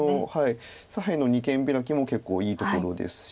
左辺の二間ビラキも結構いいところですし。